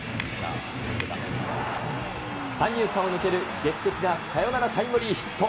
三遊間を抜ける劇的なサヨナラタイムリーヒット。